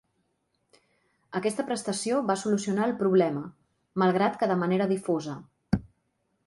Aquesta prestació va solucionar el problema malgrat que de manera difosa.